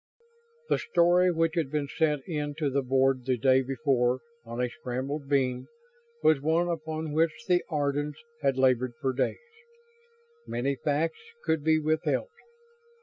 The story, which had been sent in to the Board the day before on a scrambled beam, was one upon which the Ardans had labored for days. Many facts could be withheld.